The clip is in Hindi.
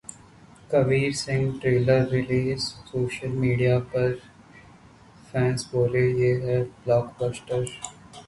'Kabir Singh' trailer release, social media पर फैंस बोले- ये है Blockbuster